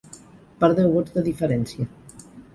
Per deu vots de diferència.